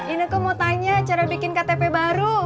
ineke mau tanya cara bikin ktp baru